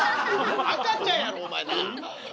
赤ちゃんやろお前なあ。